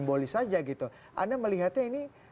politik yang sama saja gitu anda melihatnya ini